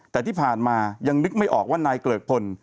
แต่ที่ผ่านมายังนึกไม่ออกว่านายเกริกพล